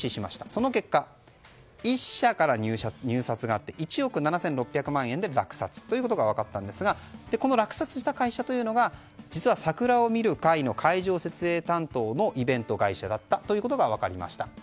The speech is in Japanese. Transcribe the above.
その結果、１社から入札があって１億７６００万円で落札ということが分かったんですがこの落札した会社というのが実は桜を見る会の会場設営担当のイベント会社だったことが分かりました。